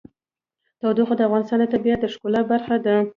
تودوخه د افغانستان د طبیعت د ښکلا برخه ده.